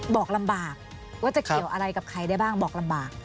บอกลำบากว่าจะเกี่ยวอะไรกับใครได้บ้างบอกลำบาก